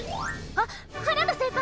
あっ原田先輩！